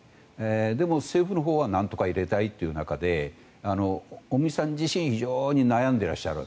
でも、政府のほうはなんとか入れたいという中で尾身さん自身非常に悩んでいらっしゃる。